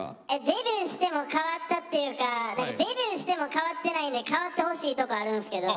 デビューしても変わったっていうかデビューしても変わってないんで変わってほしいとこあるんすけど。